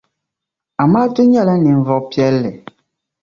Amaatu nyɛla ninvuɣ' piɛlli.